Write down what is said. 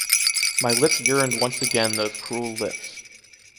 My lips yearned once again those cruel lips.